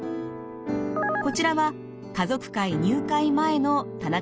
こちらは家族会入会前の田中さんの行動の記録。